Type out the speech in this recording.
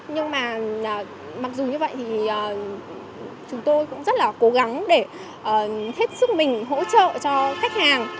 nhưng mà mặc dù như vậy thì chúng tôi cũng rất là cố gắng để hết sức mình hỗ trợ cho khách hàng